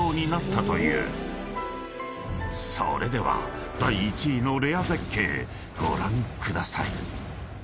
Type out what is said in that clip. ［それでは第１位のレア絶景ご覧ください］